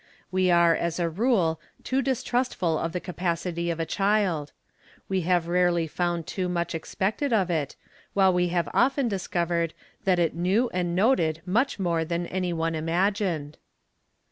We are as a rule too dis trustful of the capacity of a child. We have rarely found too much expected of it, while we have often discovered that it knew and noted much more than any one imagined.